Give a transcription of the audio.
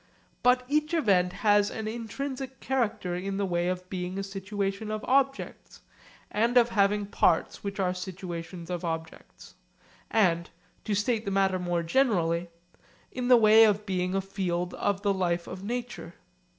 But each event has an intrinsic character in the way of being a situation of objects and of having parts which are situations of objects and to state the matter more generally in the way of being a field of the life of nature.